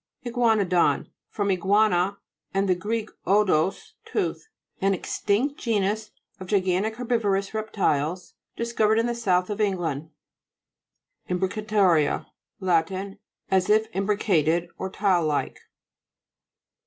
IGUA'NODOX From iguana, and the Gr. odous, tooth. An extinct genus of gigantic herbivorous reptiles, dis covered in the south of England. IMBRICATA'RIA Lat. As if imbri cated, or tile like.